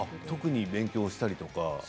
特に勉強したりとかは？